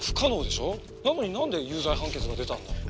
なのになんで有罪判決が出たんだろう？